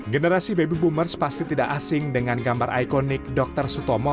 generasi baby boomers pasti tidak asing dengan gambar ikonik dr sutomo